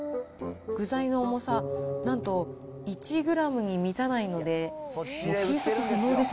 具材の重さ、なんと１グラムに満たないので、